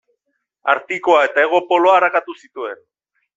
Artikoa eta Hego Poloa arakatu zituen.